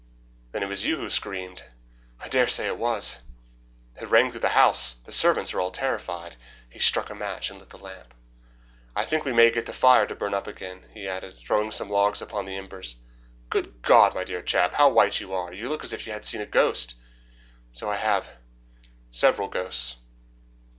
"Then it was you who screamed?" "I dare say it was." "It rang through the house. The servants are all terrified." He struck a match and lit the lamp. "I think we may get the fire to burn up again," he added, throwing some logs upon the embers. "Good God, my dear chap, how white you are! You look as if you had seen a ghost." "So I have several ghosts."